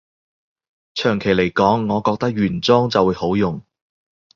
長期來講，我覺得原裝就會好用